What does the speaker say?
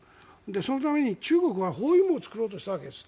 そのために中国は包囲網を作ろうとしたわけです。